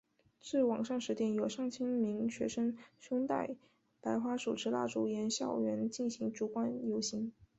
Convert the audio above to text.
至晚上十点有上千名学生胸带白花手持蜡烛沿校园进行烛光游行。